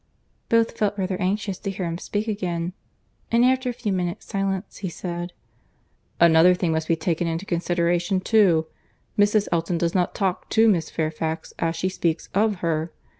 Both felt rather anxious to hear him speak again; and after a few minutes silence, he said, "Another thing must be taken into consideration too—Mrs. Elton does not talk to Miss Fairfax as she speaks of her.